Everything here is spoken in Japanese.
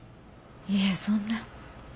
いえそんな。